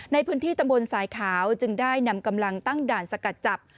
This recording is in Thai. ในพื้นที่ตำบลสายขาวจึงได้นำกำลังตั้งด่านสกัดจับ